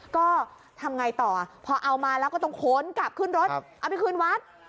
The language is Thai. ก็ทำไงต่อพอเอามาแล้วก็ต้องค้นกลับขึ้นรถเอาไปคืนวัด